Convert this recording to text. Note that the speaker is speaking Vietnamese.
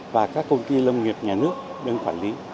và các công ty lâm nghiệp nhà nước đơn quản lý